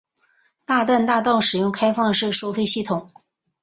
大淡大道使用开放式收费系统。